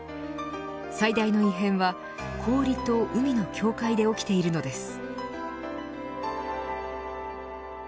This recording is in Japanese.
最大の異変は氷と海の境界で起きているのです。